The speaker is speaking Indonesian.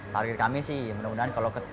target kami sih benar benar